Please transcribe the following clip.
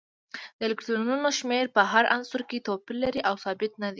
د الکترونونو شمیر په هر عنصر کې توپیر لري او ثابت نه دی